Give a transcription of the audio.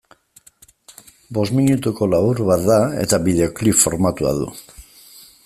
Bost minutuko labur bat da, eta bideoklip formatua du.